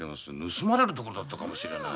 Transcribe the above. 盗まれるとこだったかもしれない。